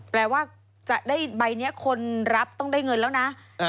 แปลว่าจะได้ใบนี้คนรับต้องได้เงินแล้วนะ